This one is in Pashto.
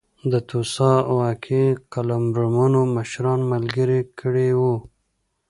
د توسا او اکي قلمرونو مشران ملګري کړي وو.